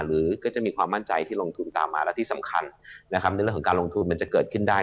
หรือก็จะมีความมั่นใจที่ลงทุนตามมาและที่สำคัญนะครับในเรื่องของการลงทุนมันจะเกิดขึ้นได้